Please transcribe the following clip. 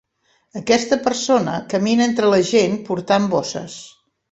Aquesta persona camina entre la gent portant bosses.